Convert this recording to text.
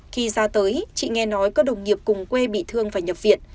khi ra tới chị nghe nói có đồng nghiệp cùng quê bị thương phải nhập viện